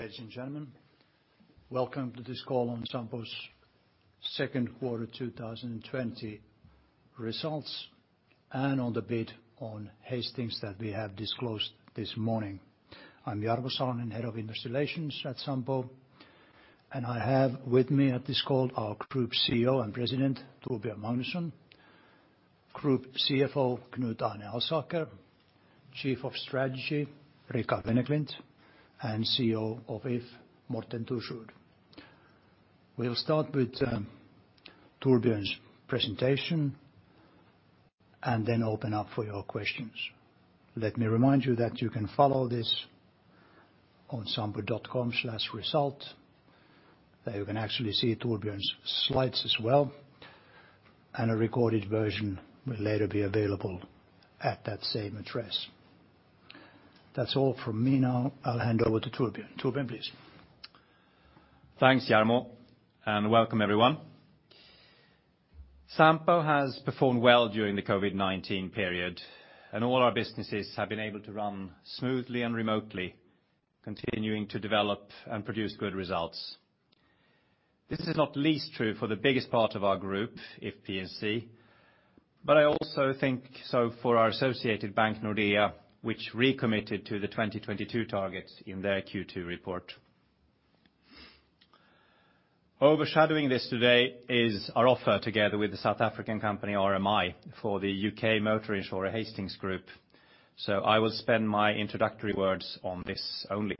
Ladies and gentlemen, welcome to this call on Sampo's Q2 2020 results, and on the bid on Hastings that we have disclosed this morning. I'm Jarmo Salonen, head of investor relations at Sampo, and I have with me at this call our Group CEO and President, Torbjörn Magnusson, Group CFO, Knut Arne Alsaker, Chief of Strategy, Ricard Wennerklint, and CEO of If, Morten Thorsrud. We'll start with Torbjörn's presentation, and then open up for your questions. Let me remind you that you can follow this on sampo.com/result. There you can actually see Torbjörn's slides as well, and a recorded version will later be available at that same address. That's all from me now. I'll hand over to Torbjörn. Torbjörn, please. Thanks, Jarmo. Welcome everyone. Sampo has performed well during the COVID-19 period, and all our businesses have been able to run smoothly and remotely, continuing to develop and produce good results. This is not least true for the biggest part of our group, If P&C, but I also think so for our associated bank, Nordea, which recommitted to the 2022 targets in their Q2 report. Overshadowing this today is our offer together with the South African company, RMI, for the U.K. motor insurer, Hastings Group. I will spend my introductory words on this only.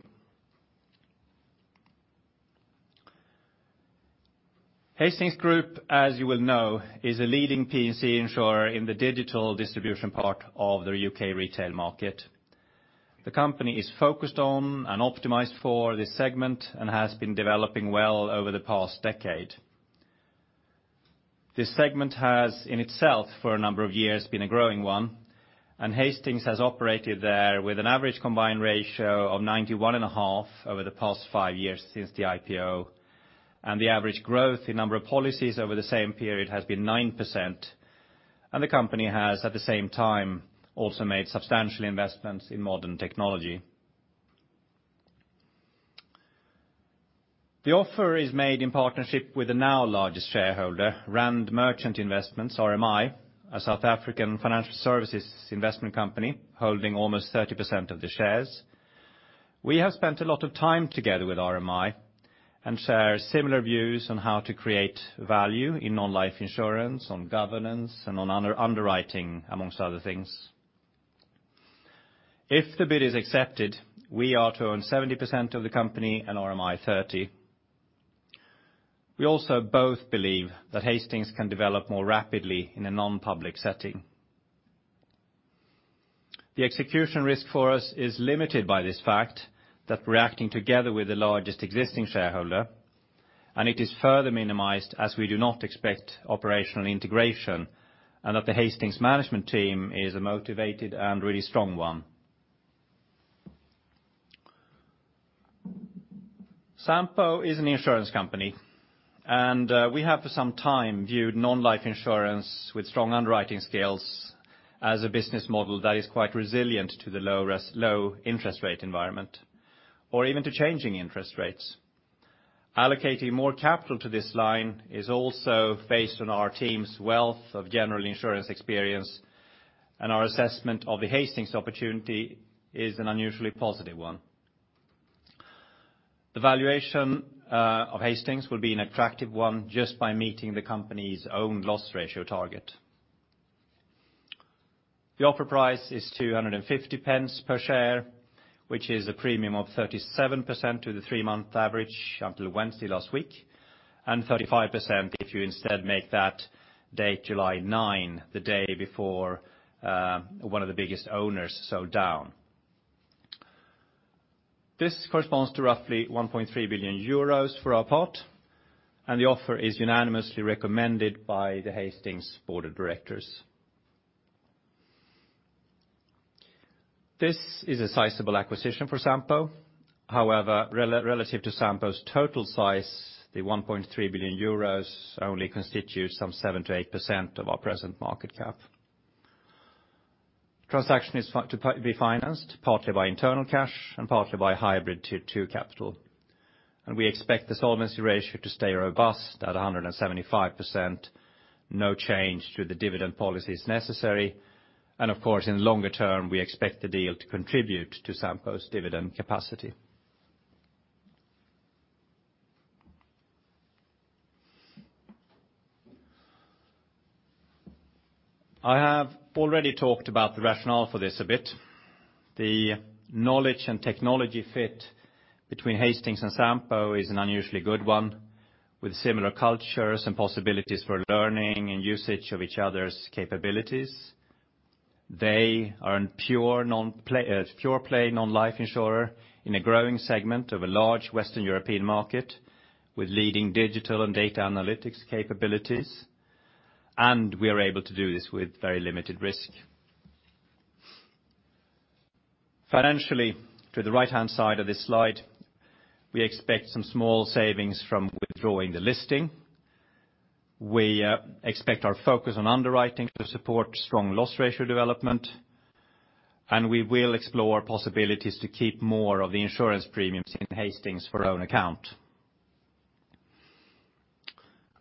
Hastings Group, as you will know, is a leading P&C insurer in the digital distribution part of the U.K. retail market. The company is focused on and optimized for this segment, and has been developing well over the past decade. This segment has, in itself, for a number of years, been a growing one, and Hastings has operated there with an average combined ratio of 91.5 over the past five years since the IPO. The average growth in number of policies over the same period has been 9%, and the company has, at the same time, also made substantial investments in modern technology. The offer is made in partnership with the now largest shareholder, Rand Merchant Investment Holdings, RMI, a South African financial services investment company holding almost 30% of the shares. We have spent a lot of time together with RMI and share similar views on how to create value in non-life insurance, on governance, and on underwriting, amongst other things. If the bid is accepted, we are to own 70% of the company and RMI 30. We also both believe that Hastings can develop more rapidly in a non-public setting. The execution risk for us is limited by this fact that we're acting together with the largest existing shareholder, and it is further minimized, as we do not expect operational integration, and that the Hastings management team is a motivated and really strong one. Sampo is an insurance company. We have for some time viewed non-life insurance with strong underwriting skills as a business model that is quite resilient to the low interest rate environment, or even to changing interest rates. Allocating more capital to this line is also based on our team's wealth of general insurance experience. Our assessment of the Hastings opportunity is an unusually positive one. The valuation of Hastings will be an attractive one just by meeting the company's own loss ratio target. The offer price is 2.50 per share, which is a premium of 37% to the three-month average until Wednesday last week, and 35% if you instead make that date July 9th, the day before one of the biggest owners sold down. The offer corresponds to roughly 1.3 billion euros for our part, and is unanimously recommended by the Hastings board of directors. This is a sizable acquisition for Sampo. However, relative to Sampo's total size, the 1.3 billion euros only constitutes some 7%-8% of our present market cap. Transaction is to be financed partly by internal cash and partly by hybrid 2 capital. We expect the solvency ratio to stay robust at 175%. No change to the dividend policy is necessary. Of course, in longer term, we expect the deal to contribute to Sampo's dividend capacity. I have already talked about the rationale for this a bit. The knowledge and technology fit between Hastings and Sampo is an unusually good one, with similar cultures and possibilities for learning and usage of each other's capabilities. They are a pure play non-life insurer in a growing segment of a large Western European market, with leading digital and data analytics capabilities. We are able to do this with very limited risk. Financially, to the right-hand side of this slide, we expect some small savings from withdrawing the listing. We expect our focus on underwriting to support strong loss ratio development, and we will explore possibilities to keep more of the insurance premiums in Hastings for own account.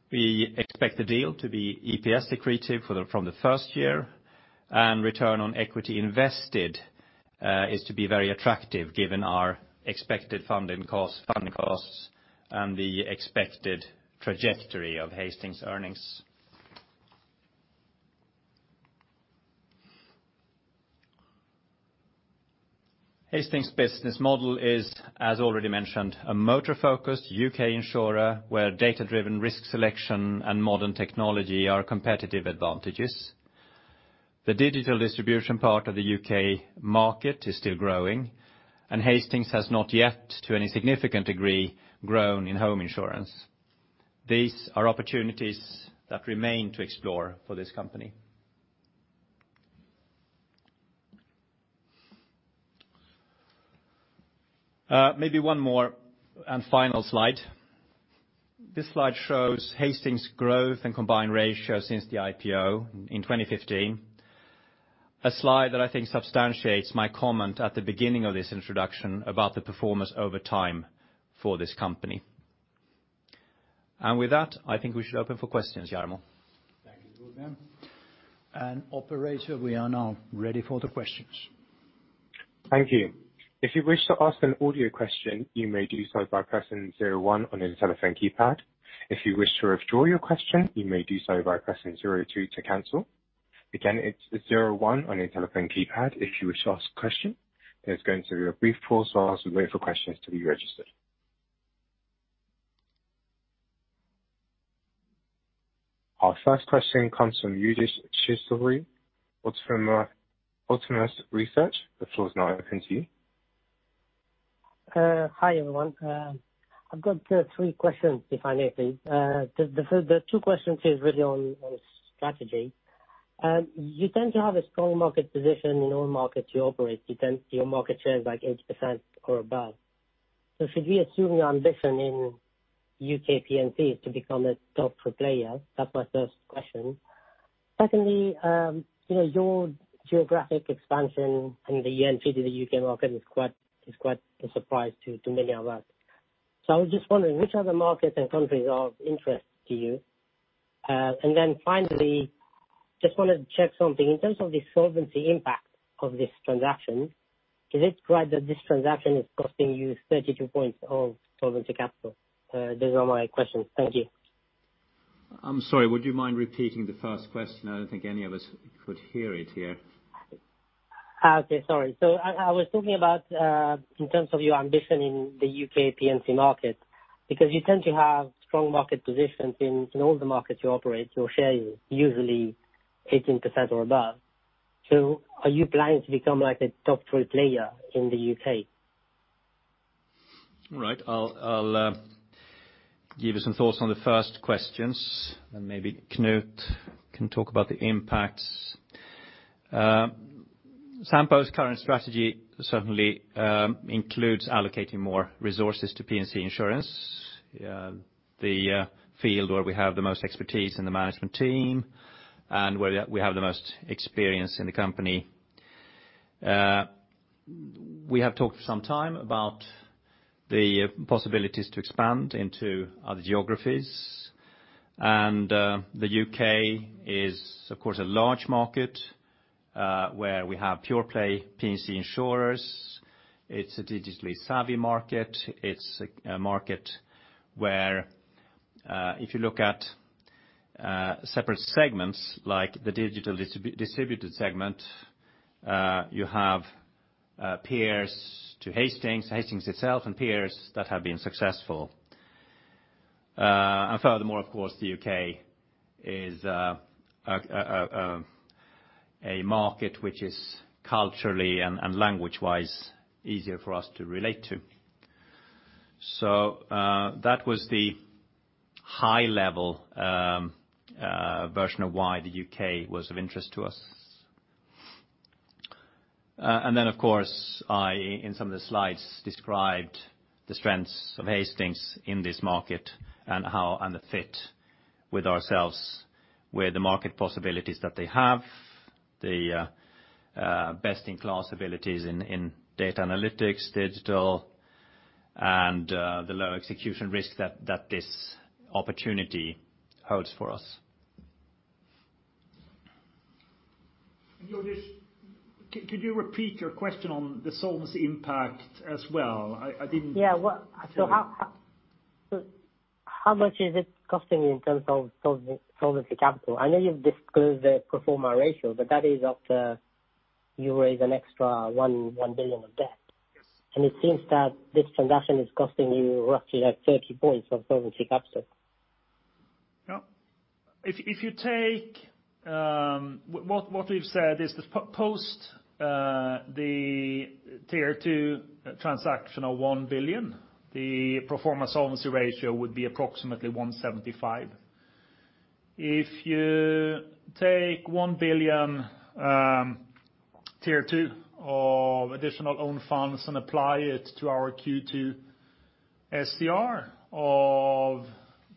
We expect the deal to be EPS accretive from the first year, and return on equity invested is to be very attractive given our expected funding costs and the expected trajectory of Hastings' earnings. Hastings' business model is, as already mentioned, a motor-focused U.K. insurer where data-driven risk selection and modern technology are competitive advantages. The digital distribution part of the U.K. market is still growing, and Hastings has not yet, to any significant degree, grown in home insurance. These are opportunities that remain to explore for this company. Maybe one more and final slide. This slide shows Hastings' growth and combined ratio since the IPO in 2015. A slide that I think substantiates my comment at the beginning of this introduction about the performance over time for this company. With that, I think we should open for questions, Jarmo. Thank you, Torbjörn. Operator, we are now ready for the questions. Thank you. If you wish to ask an audio question, you may do so by pressing zero one on your telephone keypad. If you wish to withdraw your question, you may do so by pressing zero two to cancel. Again, it's zero one on your telephone keypad if you wish to ask a question. There's going to be a brief pause while we wait for questions to be registered. Our first question comes from Yudhisthira Sirivadhana from Autonomous Research. The floor is now open to you. Hi, everyone. I've got three questions, if I may please. The two questions is really on strategy. You tend to have a strong market position in all markets you operate. You tend to see your market share is like 80% or above. Should we assume your ambition in U.K. P&C is to become a top tier player? That's my first question. Secondly, your geographic expansion and the entry to the U.K. market is quite a surprise to many of us. I was just wondering which other markets and countries are of interest to you. Finally, just want to check something. In terms of the solvency impact of this transaction, is it correct that this transaction is costing you 32 points of solvency capital? Those are my questions. Thank you. I'm sorry, would you mind repeating the first question? I don't think any of us could hear it here. Okay, sorry. I was talking about in terms of your ambition in the U.K. P&C market, because you tend to have strong market positions in all the markets you operate, your share is usually 18% or above. Are you planning to become a top tier player in the U.K.? All right. I'll give you some thoughts on the first questions, and maybe Knut can talk about the impacts. Sampo's current strategy certainly includes allocating more resources to P&C insurance, the field where we have the most expertise in the management team and where we have the most experience in the company. We have talked for some time about the possibilities to expand into other geographies, and the U.K. is, of course, a large market, where we have pure play P&C insurers. It's a digitally savvy market. It's a market where, if you look at separate segments like the digital distributed segment, you have peers to Hastings itself, and peers that have been successful. Furthermore, of course, the U.K. is a market which is culturally and language-wise easier for us to relate to. That was the high-level version of why the U.K. was of interest to us. Of course, I, in some of the slides, described the strengths of Hastings in this market and the fit with ourselves, with the market possibilities that they have, the best-in-class abilities in data analytics, digital, and the low execution risk that this opportunity holds for us. Yudhisthira, could you repeat your question on the solvency impact as well? Yeah. How much is it costing you in terms of solvency capital? I know you've disclosed the pro forma ratio, but that is after you raise an extra 1 billion of debt. Yes. It seems that this transaction is costing you roughly like 30 points of solvency capital. Yeah. What we've said is post the Tier 2 transaction of 1 billion, the pro forma solvency ratio would be approximately 175%. If you take 1 billion. Tier 2 of additional own funds and apply it to our Q2 SCR of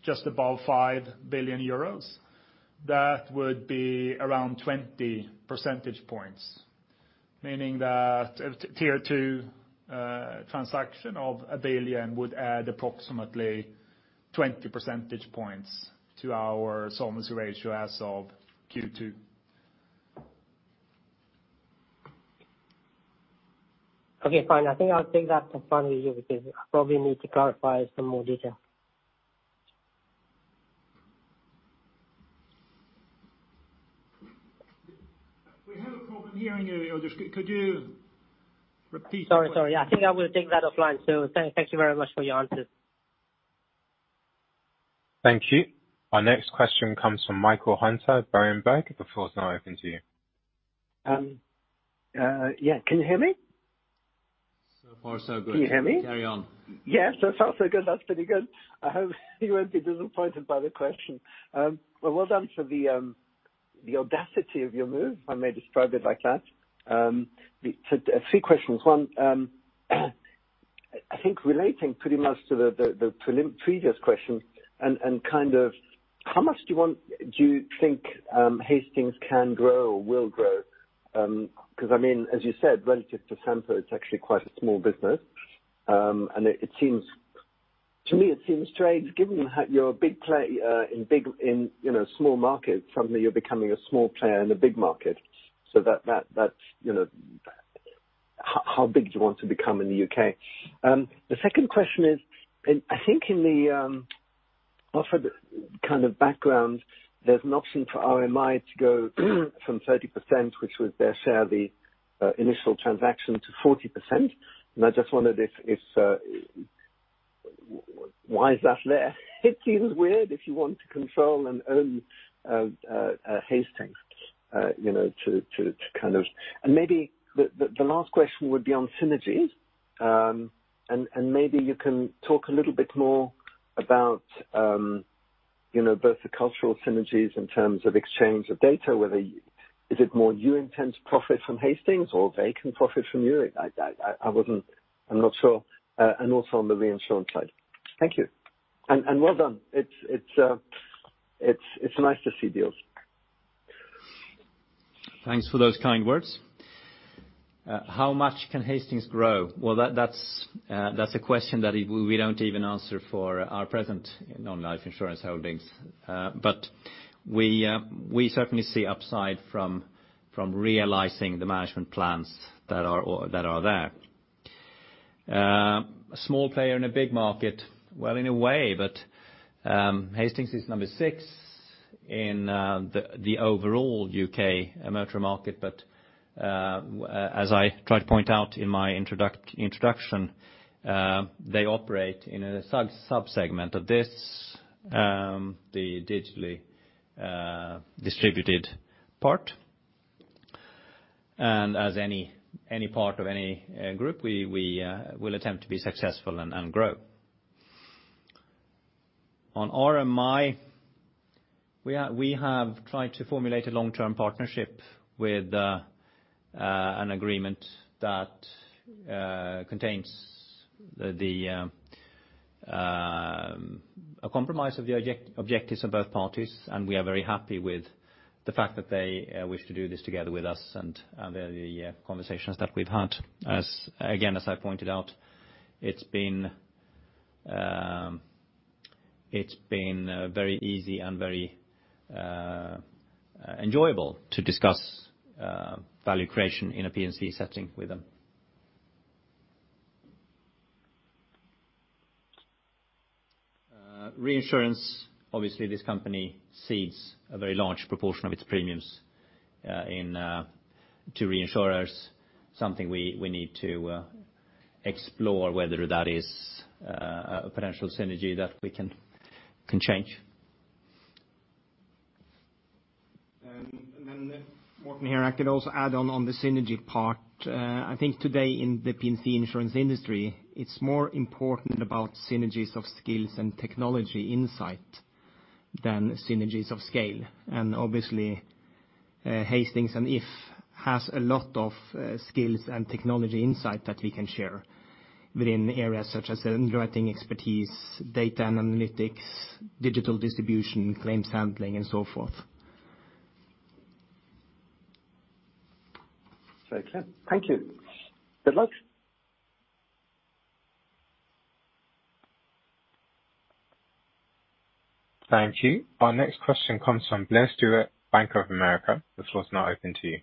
just above 5 billion euros, that would be around 20 percentage points, meaning that a Tier 2 transaction of EUR 1 billion would add approximately 20 percentage points to our solvency ratio as of Q2. Okay, fine. I think I'll take that for finally here, because I probably need to clarify some more detail. We have a problem hearing you, Yudhisthira. Could you repeat the question? Sorry. I think I will take that offline too. Thank you very much for your answers. Thank you. Our next question comes from Michael Huttner, Berenberg. The floor is now open to you. Yeah. Can you hear me? Far, so good. Can you hear me? Carry on. Yeah. So far, so good. That's pretty good. I hope you won't be disappointed by the question. Well done for the audacity of your move, if I may describe it like that. Three questions. One, I think relating pretty much to the previous question and, kind of, how much do you think Hastings can grow or will grow? Because, I mean, as you said, relative to Sampo, it's actually quite a small business. And to me, it seems strange given how you're a big player, in big, in small markets, suddenly you're becoming a small player in a big market. That's, you know, how big do you want to become in the U.K.? The second question is, and I think in the offered kind of background, there's an option for RMI to go from 30%, which was their share of the initial transaction, to 40%. I just wondered if, why is that there? It seems weird if you want to control and own Hastings, you know. Maybe the last question would be on synergies. Maybe you can talk a little bit more about both the cultural synergies in terms of exchange of data, whether, is it more you intend to profit from Hastings or they can profit from you? I'm not sure. Also on the reinsurance side. Thank you. Well done. It's nice to see deals. Thanks for those kind words. How much can Hastings grow? Well, that's a question that we don't even answer for our present non-life insurance holdings. We certainly see upside from realizing the management plans that are there. A small player in a big market. Well, in a way, Hastings is number six in the overall U.K. motor market. As I tried to point out in my introduction, they operate in a subsegment of this, the digitally distributed part. As any part of any group, we will attempt to be successful and grow. On RMI, we have tried to formulate a long-term partnership with an agreement that contains the a compromise of the objectives of both parties, and we are very happy with the fact that they wish to do this together with us and the conversations that we've had. Again, as I pointed out, it's been very easy and very enjoyable to discuss value creation in a P&C setting with them. Reinsurance, obviously this company cedes a very large proportion of its premiums in to reinsurers. Something we need to explore whether that is a potential synergy that we can change. Morten here. I could also add on the synergy part. I think today in the P&C insurance industry, it's more important about synergies of skills and technology insight than synergies of scale. Obviously, Hastings and If has a lot of skills and technology insight that we can share within areas such as underwriting expertise, data and analytics, digital distribution, claims handling, and so forth. Very clear. Thank you. Good luck. Thank you. Our next question comes from Blair Stewart, Bank of America. The floor is now open to you.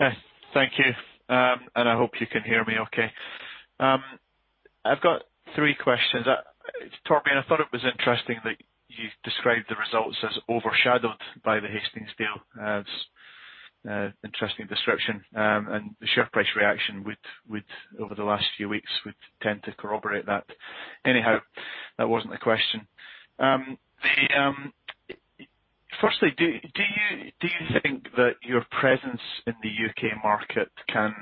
Yes. Thank you. I hope you can hear me okay. I've got three questions. Torbjörn, I thought it was interesting that you described the results as overshadowed by the Hastings deal. It's a interesting description. The share price reaction over the last few weeks would tend to corroborate that. Anyhow, that wasn't the question. Firstly, do you think that your presence in the U.K. market can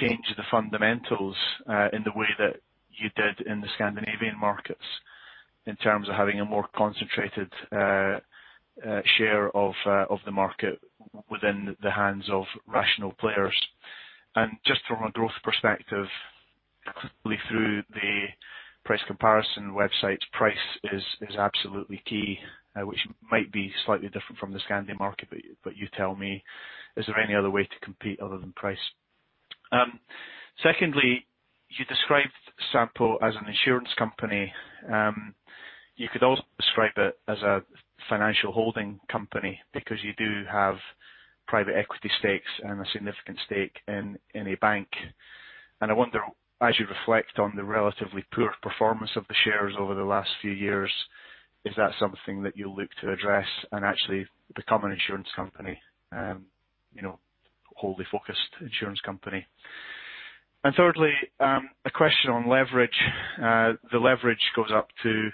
change the fundamentals in the way that you did in the Scandinavian markets? In terms of having a more concentrated share of the market within the hands of rational players. Just from a growth perspective, clearly through the price comparison websites, price is absolutely key, which might be slightly different from the Scandi market, but you tell me, is there any other way to compete other than price? Secondly, you described Sampo as an insurance company. You could also describe it as a financial holding company because you do have private equity stakes and a significant stake in a bank. I wonder, as you reflect on the relatively poor performance of the shares over the last few years, is that something that you look to address and actually become an insurance company, wholly focused insurance company? Thirdly, a question on leverage. The leverage goes up to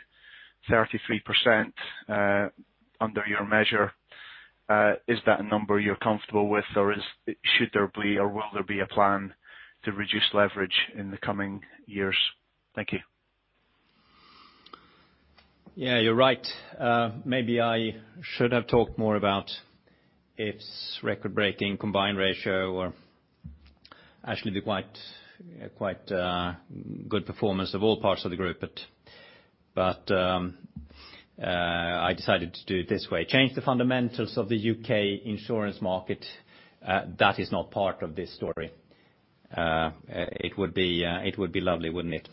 33% under your measure. Is that a number you're comfortable with, or should there be, or will there be a plan to reduce leverage in the coming years? Thank you. Yeah, you're right. Maybe I should have talked more about if record-breaking combined ratio or actually be quite good performance of all parts of the group. I decided to do it this way. Change the fundamentals of the U.K. insurance market, that is not part of this story. It would be lovely, wouldn't it?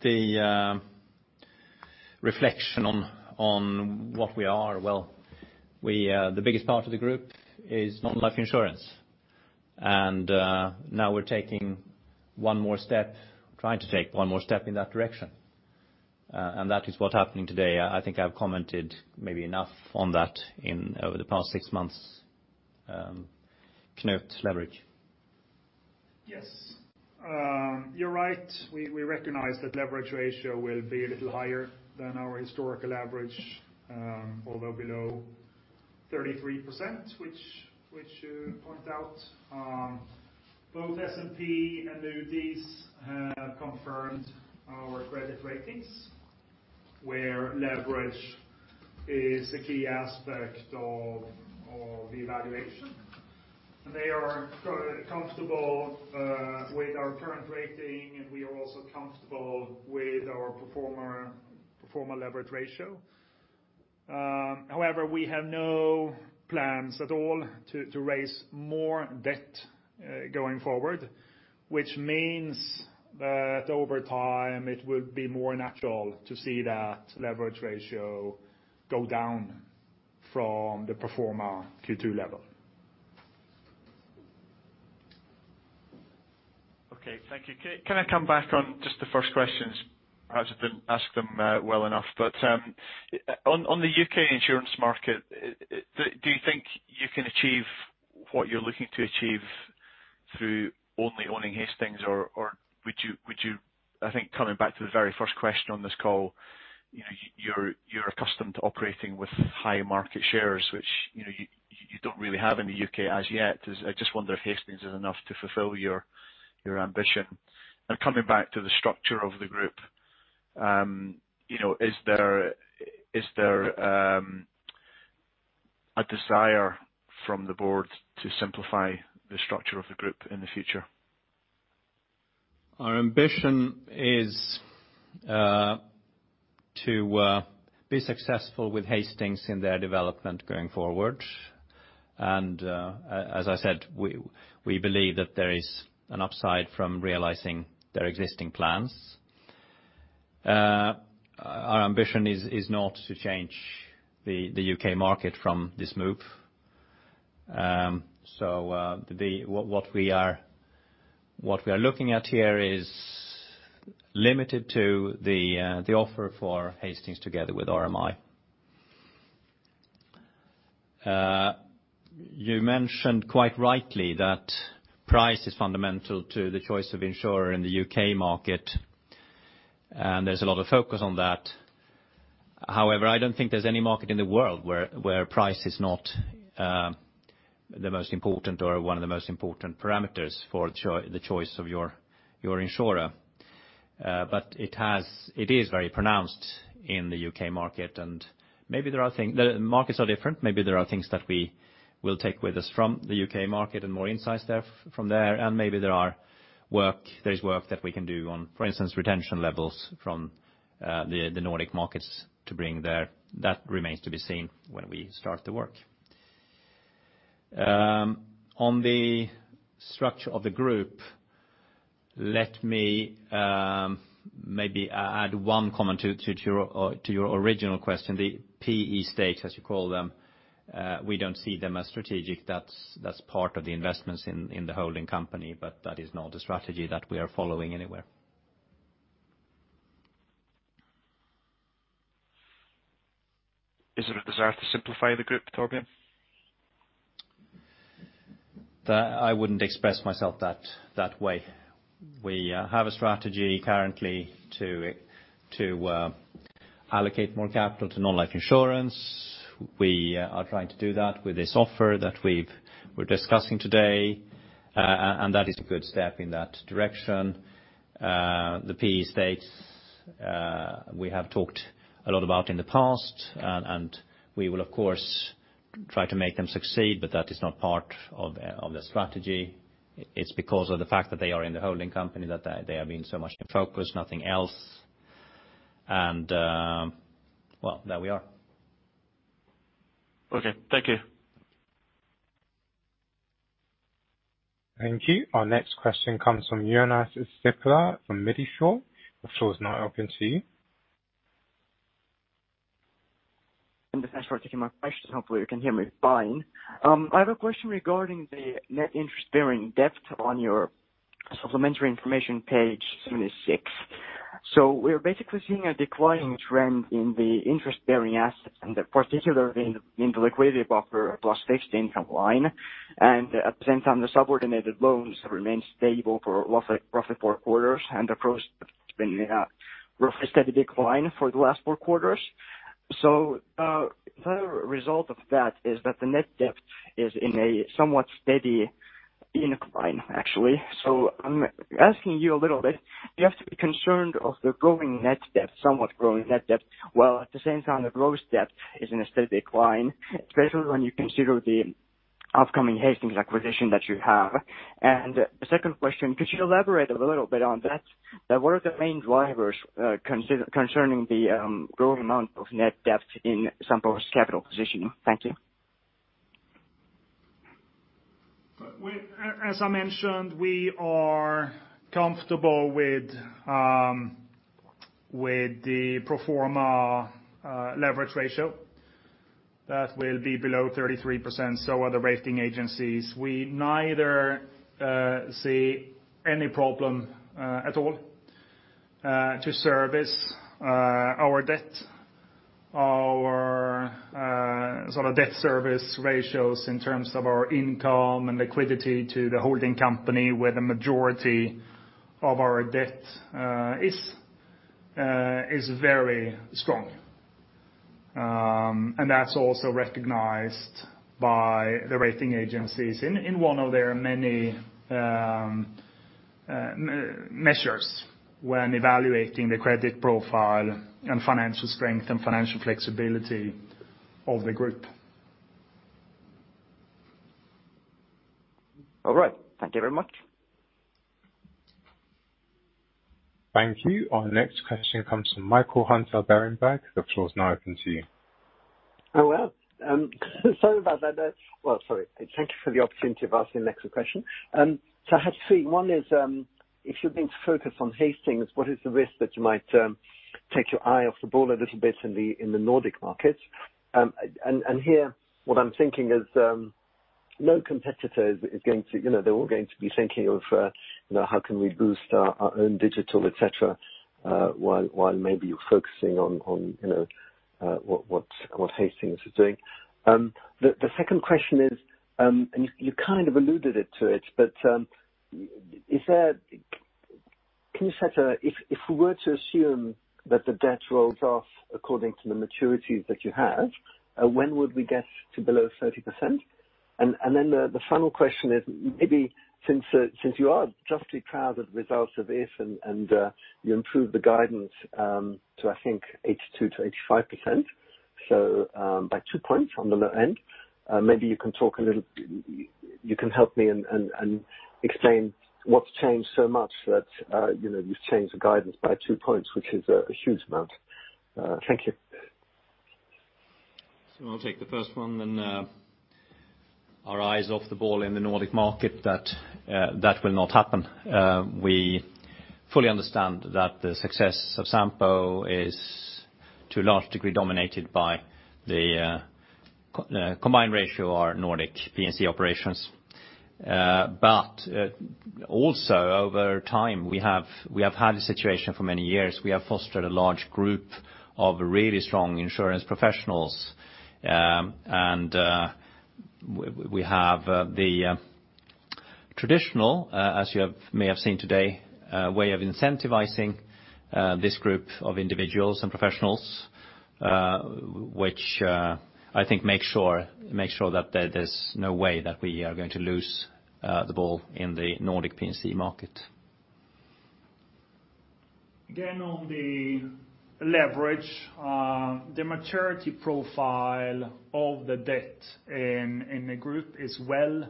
The reflection on what we are. Well, the biggest part of the group is non-life insurance. Now we're trying to take one more step in that direction. That is what's happening today. I think I've commented maybe enough on that over the past six months. Knut, leverage. Yes. You're right. We recognize that leverage ratio will be a little higher than our historical average, although below 33%, which you point out. Both S&P and Moody's have confirmed our credit ratings, where leverage is the key aspect of the evaluation. They are comfortable with our current rating, and we are also comfortable with our pro forma leverage ratio. However, we have no plans at all to raise more debt, going forward, which means that over time it will be more natural to see that leverage ratio go down from the pro forma Q2 level. Okay. Thank you. Can I come back on just the first questions? Perhaps I didn't ask them well enough. On the U.K. insurance market, do you think you can achieve what you're looking to achieve through only owning Hastings? I think coming back to the very first question on this call, you're accustomed to operating with high market shares, which you don't really have in the U.K. as yet. I just wonder if Hastings is enough to fulfill your ambition. Coming back to the structure of the group, is there a desire from the board to simplify the structure of the group in the future? Our ambition is to be successful with Hastings in their development going forward. As I said, we believe that there is an upside from realizing their existing plans. Our ambition is not to change the U.K. market from this move. What we are looking at here is limited to the offer for Hastings together with RMI. You mentioned quite rightly that price is fundamental to the choice of insurer in the U.K. market, and there's a lot of focus on that. However, I don't think there's any market in the world where price is not the most important or one of the most important parameters for the choice of your insurer. It is very pronounced in the U.K. market, and markets are different. Maybe there are things that we will take with us from the U.K. market and more insights from there. Maybe there is work that we can do on, for instance, retention levels from the Nordic markets to bring there. That remains to be seen when we start the work. On the structure of the group, let me maybe add one comment to your original question. The PE stakes, as you call them, we don't see them as strategic. That is not the strategy that we are following anywhere. Is it a desire to simplify the group, Torbjörn? I wouldn't express myself that way. We have a strategy currently to allocate more capital to non-life insurance. We are trying to do that with this offer that we're discussing today, and that is a good step in that direction. The PE stakes, we have talked a lot about in the past, and we will of course try to make them succeed, but that is not part of the strategy. It's because of the fact that they are in the holding company that they have been so much in focus, nothing else. Well, there we are. Okay. Thank you. Thank you. Our next question comes from Jonas Zürcher from Mediobanca. The floor is now open to you. Thanks for taking my questions. Hopefully, you can hear me fine. I have a question regarding the net interest-bearing debt on your supplementary information, page 76. We're basically seeing a declining trend in the interest-bearing assets, and particularly in the liquidity buffer plus fixed income line. At the same time, the subordinated loans remain stable for roughly four quarters, and approached been a roughly steady decline for the last four quarters. The result of that is that the net debt is in a somewhat steady incline, actually. I'm asking you a little bit, do you have to be concerned of the growing net debt, somewhat growing net debt, while at the same time the gross debt is in a steady decline, especially when you consider the upcoming Hastings acquisition that you have? The second question, could you elaborate a little bit on that? What are the main drivers concerning the growing amount of net debt in Sampo's capital position? Thank you. As I mentioned, we are comfortable with the pro forma leverage ratio. That will be below 33%, so are the rating agencies. We neither see any problem at all to service our debt. Our sort of debt service ratios in terms of our income and liquidity to the holding company where the majority of our debt is very strong. That's also recognized by the rating agencies in one of their many measures when evaluating the credit profile and financial strength and financial flexibility of the group. All right. Thank you very much. Thank you. Our next question comes from Michael Huttner, Berenberg. The floor is now open to you. Oh, wow. Sorry about that. Well, sorry. Thank you for the opportunity of asking the next question. I had three. One is, if you're going to focus on Hastings, what is the risk that you might take your eye off the ball a little bit in the Nordic markets? Here, what I'm thinking is, no competitor is going to, they're all going to be thinking of how can we boost our own digital, et cetera, while maybe you're focusing on what Hastings is doing. The second question is, you kind of alluded to it, can you set a If we were to assume that the debt rolls off according to the maturities that you have, when would we get to below 30%? The final question is, maybe since you are justly proud of the results of this and you improved the guidance to, I think, 82%-85%, so by two points on the low end, maybe you can talk a little, you can help me and explain what's changed so much that you've changed the guidance by two points, which is a huge amount. Thank you. I'll take the first one then. Are eyes off the ball in the Nordic market, that will not happen. We fully understand that the success of Sampo is, to a large degree, dominated by the combined ratio of our Nordic P&C operations. Also over time, we have had a situation for many years. We have fostered a large group of really strong insurance professionals, and we have the traditional, as you may have seen today, way of incentivizing this group of individuals and professionals, which I think makes sure that there's no way that we are going to lose the ball in the Nordic P&C market. On the leverage, the maturity profile of the debt in the group is well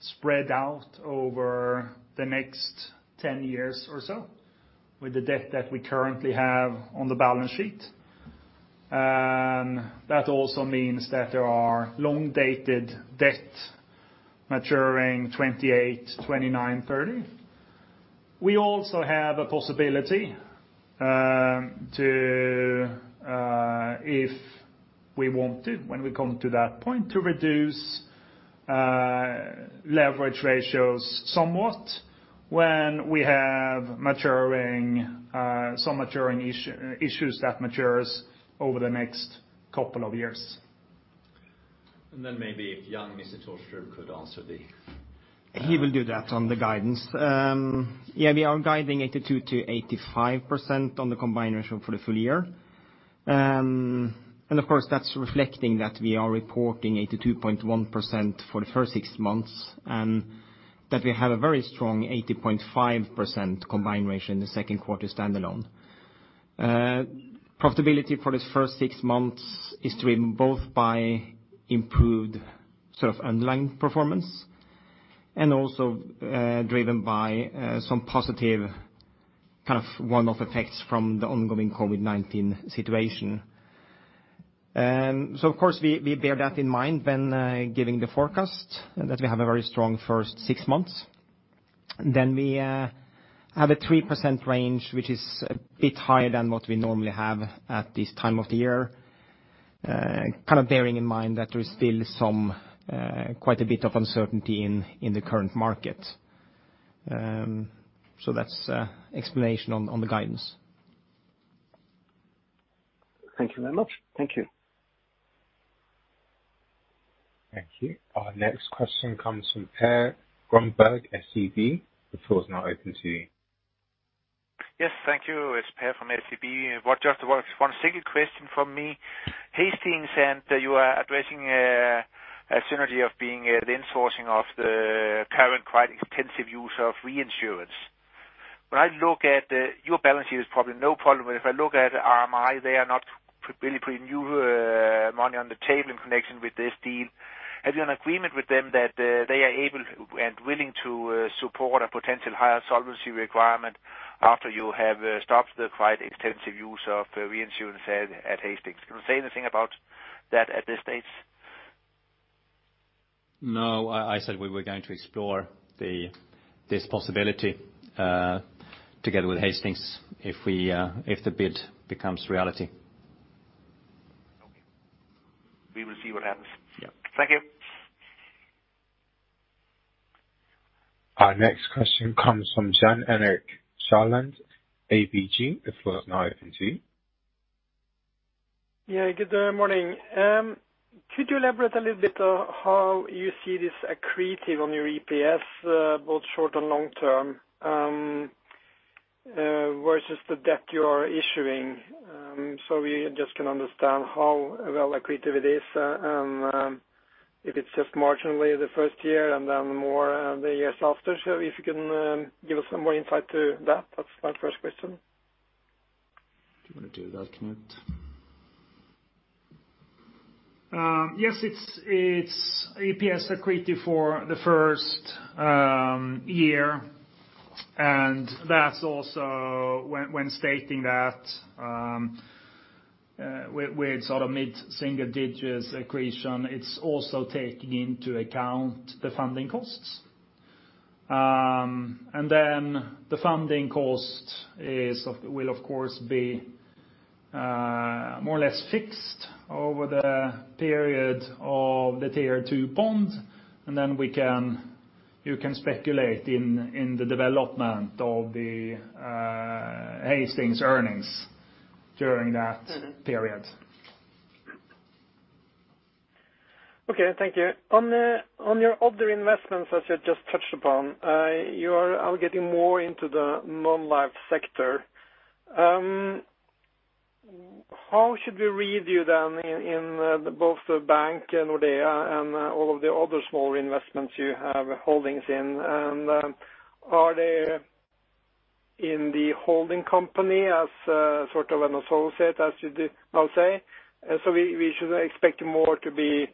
spread out over the next 10 years or so with the debt that we currently have on the balance sheet. That also means that there are long-dated debt maturing 2028, 2029, 2030. We also have a possibility to, if we want to, when we come to that point, to reduce leverage ratios somewhat when we have some maturing issues that matures over the next couple of years. Maybe Morten Thorsrud could answer. He will do that on the guidance. Yeah, we are guiding 82%-85% on the combined ratio for the full year. Of course, that's reflecting that we are reporting 82.1% for the first six months, and that we have a very strong 80.5% combined ratio in the Q2 standalone. Profitability for the first six months is driven both by improved underlying performance and also driven by some positive one-off effects from the ongoing COVID-19 situation. Of course, we bear that in mind when giving the forecast that we have a very strong first six months. We have a 3% range, which is a bit higher than what we normally have at this time of the year. Bearing in mind that there is still quite a bit of uncertainty in the current market. That's explanation on the guidance. Thank you very much. Thank you. Thank you. Our next question comes from Per Grönborg, SEB. The floor is now open to you. Yes, thank you. It's Per from SEB. Just one single question from me. Hastings said that you are addressing a synergy of being at insourcing of the current quite extensive use of reinsurance. When I look at your balance sheet, there's probably no problem with it. If I look at RMI, they are not really putting new money on the table in connection with this deal. Have you an agreement with them that they are able and willing to support a potential higher solvency requirement after you have stopped the quite extensive use of reinsurance at Hastings? Can you say anything about that at this stage? No, I said we were going to explore this possibility together with Hastings if the bid becomes reality. Okay. We will see what happens. Yeah. Thank you. Our next question comes from Jan Erik Gjerland, ABG. The floor is now open to you. Yeah, good morning. Could you elaborate a little bit on how you see this accretive on your EPS, both short and long term, versus the debt you are issuing? We just can understand how well accretive it is, if it's just marginally the first year and then more the years after. If you can give us some more insight to that's my first question. Do you want to do that, Knut? Yes, it's EPS accretive for the first year. That's also when stating that, with mid-single digits accretion, it's also taking into account the funding costs. The funding cost will of course be more or less fixed over the period of the Tier 2 bond, and then you can speculate in the development of the Hastings earnings during that period. Okay, thank you. On your other investments that you just touched upon, you are getting more into the non-life sector. How should we read you in both the bank Nordea and all of the other small investments you have holdings in? Are they in the holding company as an associate, as you now say? We should expect more to be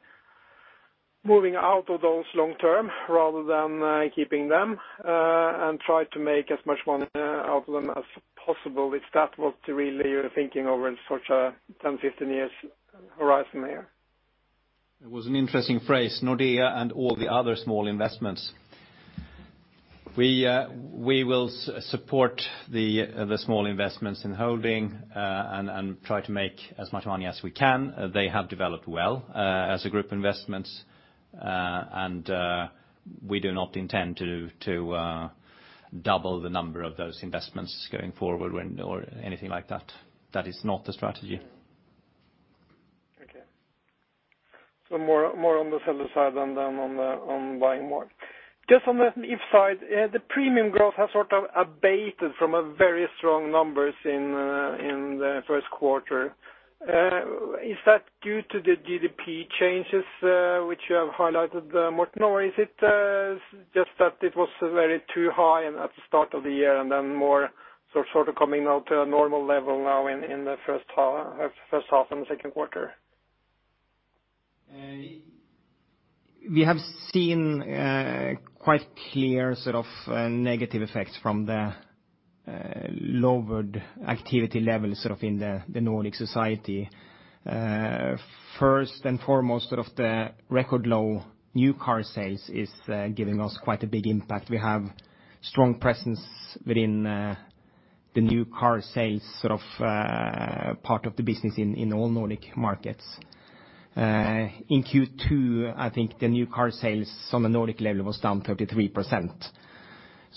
moving out of those long term rather than keeping them, and try to make as much money out of them as possible. Is that what really you're thinking over such a 10, 15 years horizon there? It was an interesting phrase, Nordea and all the other small investments. We will support the small investments in holding and try to make as much money as we can. They have developed well as a group investments. We do not intend to double the number of those investments going forward or anything like that. That is not the strategy. Okay. More on the seller side than on buying more. Just on the If side, the premium growth has abated from a very strong numbers in the Q1. Is that due to the GDP changes, which you have highlighted, Morten? Or is it just that it was very too high at the start of the year and then more coming out to a normal level now in the H1 and the Q2? We have seen quite clear negative effects from the lowered activity levels in the Nordic society. First and foremost, the record low new car sales is giving us quite a big impact. We have strong presence within the new car sales part of the business in all Nordic markets. In Q2, I think the new car sales on the Nordic level was down 33%.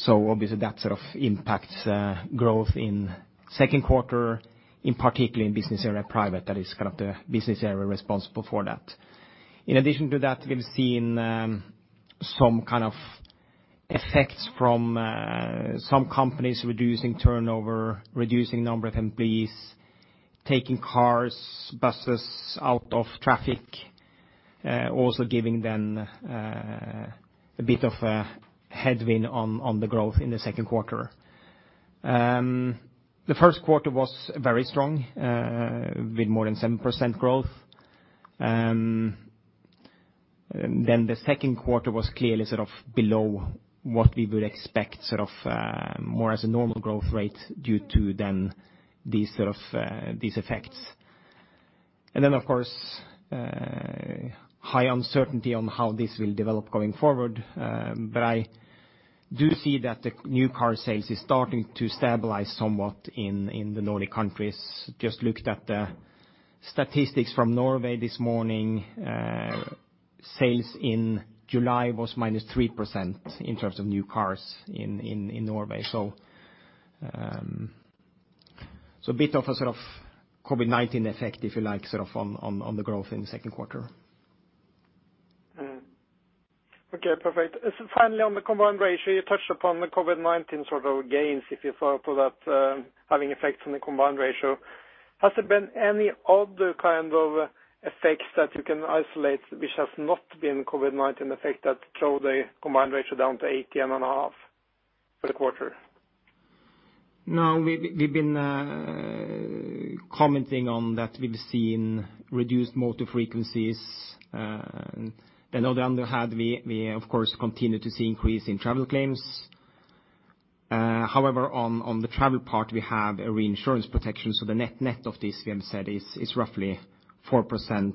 Obviously that sort of impacts growth in Q2, in particular in business area Private, that is kind of the business area responsible for that. In addition to that, we've seen some kind of effects from some companies reducing turnover, reducing number of employees, taking cars, buses out of traffic. Also giving them a bit of a headwind on the growth in the Q2. The Q1 was very strong, with more than 7% growth. The Q2 was clearly below what we would expect, more as a normal growth rate due to then these effects. Of course, high uncertainty on how this will develop going forward. I do see that the new car sales is starting to stabilize somewhat in the Nordic countries. Just looked at the statistics from Norway this morning. Sales in July was minus 3% in terms of new cars in Norway. A bit of a sort of COVID-19 effect, if you like, on the growth in the Q2. Okay, perfect. Finally, on the combined ratio, you touched upon the COVID-19 sort of gains, if you follow up to that, having effects on the combined ratio. Has there been any other kind of effects that you can isolate, which has not been COVID-19 effect that drove the combined ratio down to 80.5 for the quarter? No, we've been commenting on that. We've seen reduced motor frequencies. On the other hand, we of course continue to see increase in travel claims. However, on the travel part, we have a reinsurance protection. The net of this we have said is roughly 4%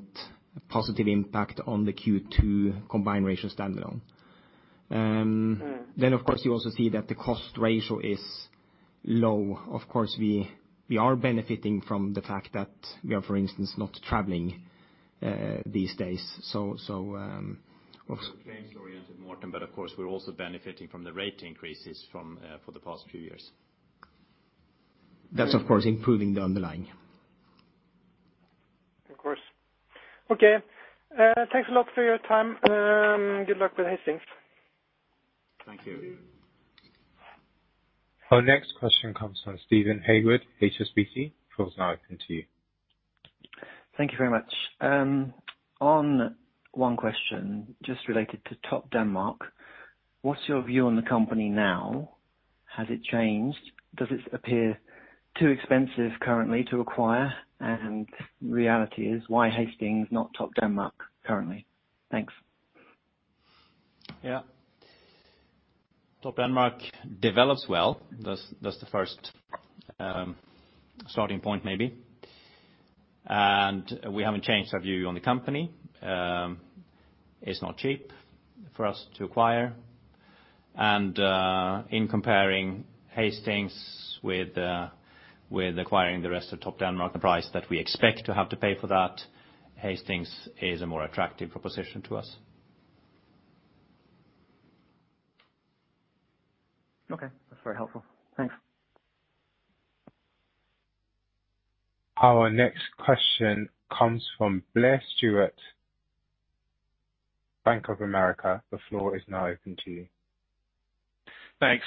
positive impact on the Q2 combined ratio standalone. Of course, you also see that the cost ratio is low. Of course, we are benefiting from the fact that we are, for instance, not traveling these days. We're claims oriented, Morten, but of course, we're also benefiting from the rate increases for the past few years. That's of course improving the underlying. Of course. Okay. Thanks a lot for your time. Good luck with Hastings. Thank you. Our next question comes from Steven Haywood, HSBC. The floor is now open to you. Thank you very much. On one question just related to Topdanmark. What's your view on the company now? Has it changed? Does it appear too expensive currently to acquire? Reality is, why Hastings not Topdanmark currently? Thanks. Yeah. Topdanmark develops well. That's the first starting point maybe. We haven't changed our view on the company. It's not cheap for us to acquire. In comparing Hastings with acquiring the rest of Topdanmark, the price that we expect to have to pay for that, Hastings is a more attractive proposition to us. Okay. That's very helpful. Thanks. Our next question comes from Blair Stewart, Bank of America. The floor is now open to you. Thanks.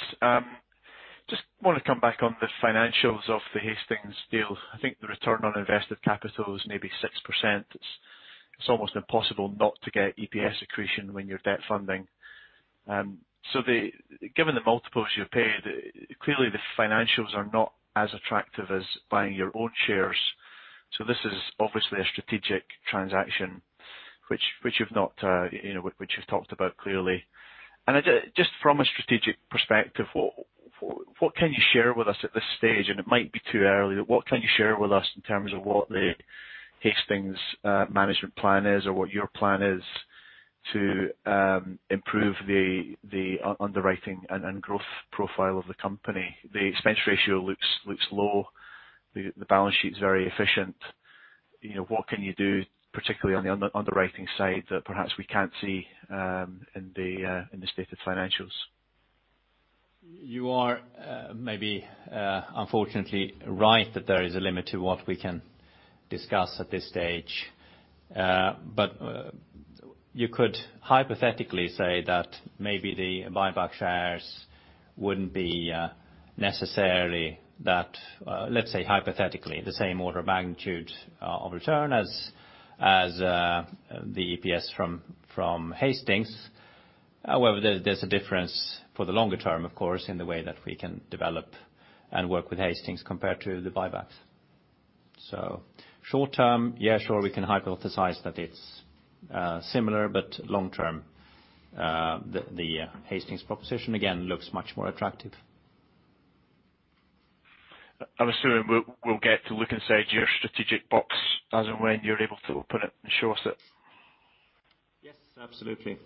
Just want to come back on the financials of the Hastings deal. I think the return on invested capital is maybe 6%. It's almost impossible not to get EPS accretion when you're debt funding. Given the multiples you paid, clearly the financials are not as attractive as buying your own shares. This is obviously a strategic transaction, which you've talked about clearly. Just from a strategic perspective, what can you share with us at this stage, and it might be too early, but what can you share with us in terms of what the Hastings management plan is or what your plan is to improve the underwriting and growth profile of the company? The expense ratio looks low. The balance sheet's very efficient. What can you do particularly on the underwriting side that perhaps we can't see in the stated financials? You are maybe, unfortunately, right that there is a limit to what we can discuss at this stage. You could hypothetically say that maybe the buyback shares wouldn't be necessarily that, let's say hypothetically, the same order of magnitude of return as the EPS from Hastings. There's a difference for the longer term, of course, in the way that we can develop and work with Hastings compared to the buybacks. Short term, yeah, sure, we can hypothesize that it's similar, but long term, the Hastings proposition again looks much more attractive. I'm assuming we'll get to look inside your strategic box as and when you're able to open it and show us it. Yes, absolutely.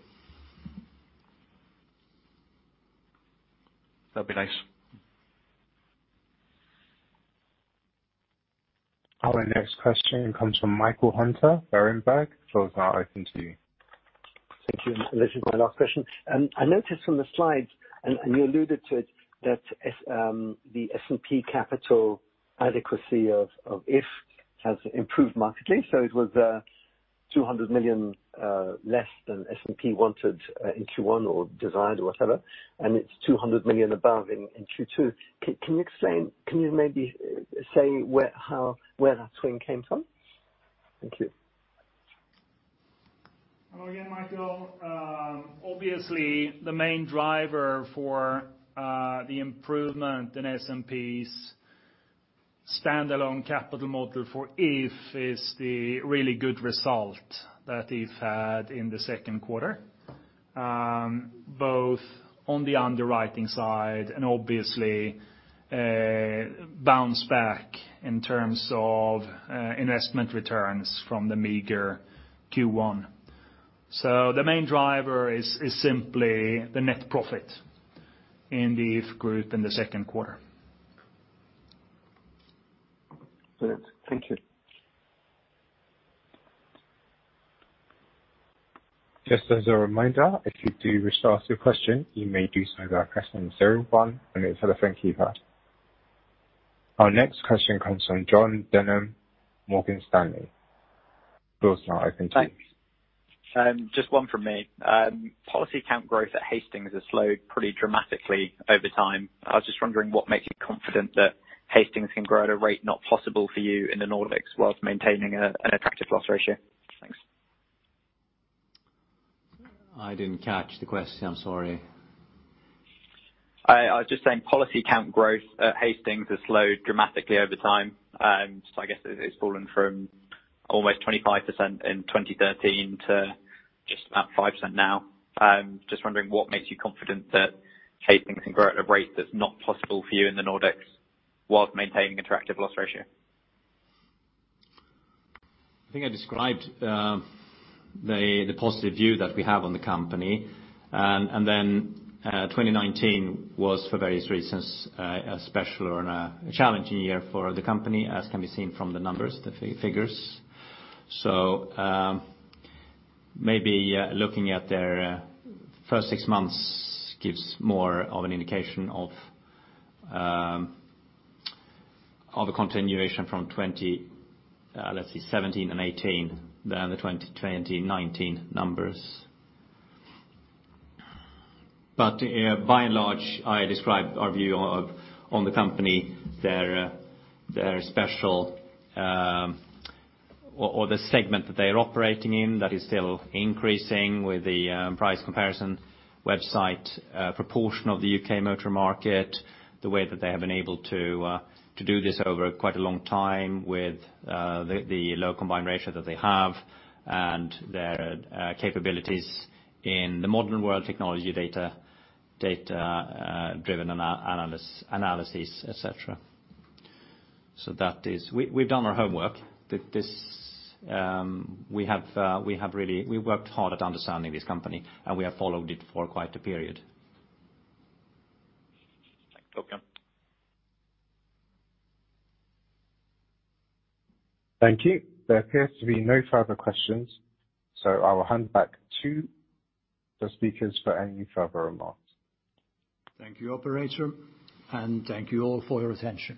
That'd be nice. Our next question comes from Michael Huttner, Berenberg. The floor is now open to you. Thank you. This is my last question. I noticed from the slides, and you alluded to it, that the S&P capital adequacy of If has improved markedly. It was 200 million less than S&P wanted in Q1 or desired, or whatever, and it's 200 million above in Q2. Can you maybe say where that swing came from? Thank you. Hello again, Michael. Obviously, the main driver for the improvement in S&P's standalone capital model for If is the really good result that If had in the Q2, both on the underwriting side and obviously, bounce back in terms of investment returns from the meager Q1. The main driver is simply the net profit in the If group in the Q2. Brilliant. Thank you. Just as a reminder, if you do wish to ask your question, you may do so by pressing zero on your telephone keypad. Our next question comes from Jon Denham, Morgan Stanley. The floor is now open to you. Thanks. Just one from me. Policy count growth at Hastings has slowed pretty dramatically over time. I was just wondering what makes you confident that Hastings can grow at a rate not possible for you in the Nordics while maintaining an attractive loss ratio. Thanks. I didn't catch the question. I'm sorry. I was just saying policy count growth at Hastings has slowed dramatically over time. I guess it's fallen from almost 25% in 2013 to just about 5% now. Just wondering what makes you confident that Hastings can grow at a rate that's not possible for you in the Nordics whilst maintaining attractive loss ratio. I think I described the positive view that we have on the company. 2019 was, for various reasons, a special or a challenging year for the company, as can be seen from the numbers, the figures. Maybe looking at their first six months gives more of an indication of the continuation from 20, let's say 2017 and 2018, than the 2019 numbers. By and large, I described our view on the company, their special or the segment that they are operating in that is still increasing with the price comparison website proportion of the U.K. motor market, the way that they have been able to do this over quite a long time with the low combined ratio that they have and their capabilities in the modern world technology data-driven analysis, et cetera. We've done our homework with this. We worked hard at understanding this company, and we have followed it for quite a period. Thanks. Okay. Thank you. There appears to be no further questions. I will hand back to the speakers for any further remarks. Thank you, operator, and thank you all for your attention.